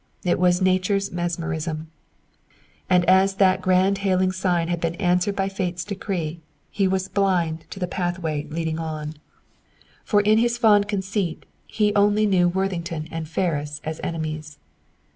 It was Nature's mesmerism. And as that grand hailing sign had been answered by Fate's decree, he was blind to the pathway leading on. For, in his fond conceit, he only knew Worthington and Ferris as enemies.